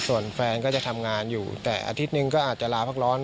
ส่วนแฟนก็จะทำงานอยู่แต่อาทิตย์หนึ่งก็อาจจะลาพักร้อน